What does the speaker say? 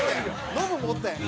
「ノブもおったやん」